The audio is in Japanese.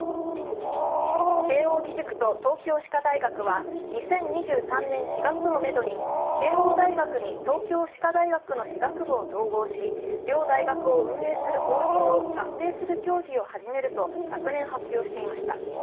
慶応義塾と東京歯科大学は２０２３年４月をめどに慶応大学に東京歯科大学の歯学部を統合し、両大学を運営する方針を合併する協議を始めると昨年発表していました。